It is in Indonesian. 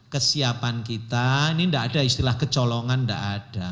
kesiapan kita ini enggak ada istilah kecolongan enggak ada